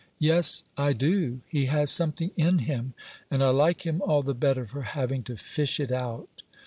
"Yes, I do. He has something in him, and I like him all the better for having to fish it out."